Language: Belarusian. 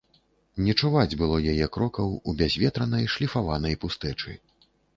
Не чуваць было яе крокаў у бязветранай шліфаванай пустэчы.